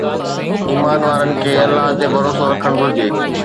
ايمان وارن کي الله تي ڀروسو رکڻ گهرجي